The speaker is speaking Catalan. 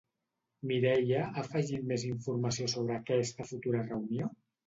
Mireia ha afegit més informació sobre aquesta futura reunió?